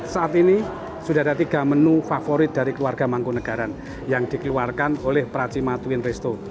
saat ini sudah ada tiga menu favorit dari keluarga mangkunagaran yang dikeluarkan oleh pracima twin resto